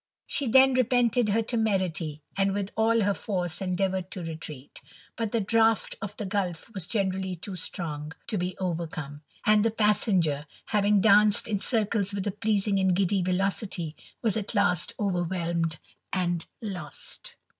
She then repented her temerity, and with all her force endeavoured to retreat ; but the draught of the gulph was generally too strong to be overcome; and the passenger, having danced in circles with a pleasing and giddy velocity, was at last overwhelmed and lost.